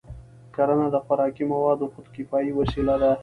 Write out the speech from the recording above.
کرنه د خوراکي موادو د خودکفایۍ وسیله ده.